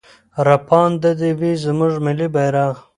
راپانده دې وي زموږ ملي بيرغ.